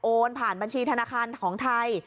ผ่านบัญชีธนาคารของไทย